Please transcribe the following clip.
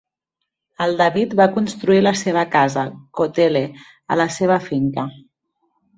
El David va construir la seva casa, Cotele, a la seva finca.